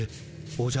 おじゃ？